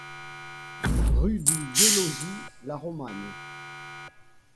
Rue du Gai Logis, La Romagne